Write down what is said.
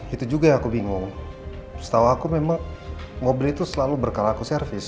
itu juga yang aku bingung setau aku memang mobil itu selalu berkala aku servis